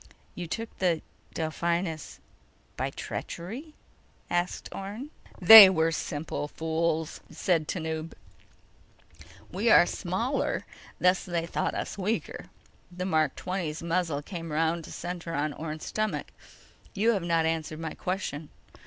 "You took the Delphinus by treachery?" asked Orne. "They were simple fools," said Tanub. "We are smaller, thus they thought us weaker." The Mark XX's muzzle came around to center on Orne's stomach. "You have not answered my question.